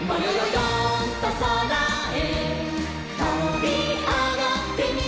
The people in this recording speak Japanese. よんとそらへとびあがってみよう」